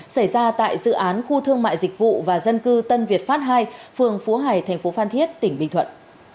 xảy ra tại dự án khu thương mại dịch vụ và dân cư tân việt phát hai phường phú hải tp phan thiết tỉnh bình thuận